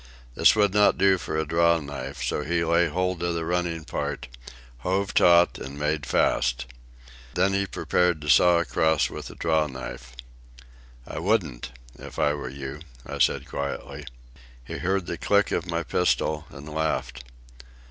This would not do for a draw knife, so he laid hold of the running part, hove taut, and made fast. Then he prepared to saw across with the draw knife. "I wouldn't, if I were you," I said quietly. He heard the click of my pistol and laughed.